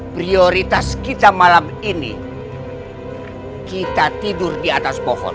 prioritas kita malam ini kita tidur di atas pohon